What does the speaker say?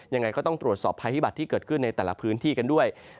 ยังไงก็ต้องตรวจสอบภัยพิบัตรที่เกิดขึ้นในแต่ละพื้นที่กันด้วย